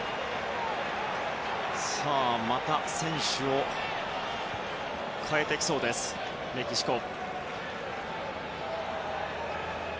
また選手を代えてきそうですメキシコ。